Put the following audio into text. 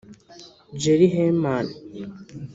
Jerry Herman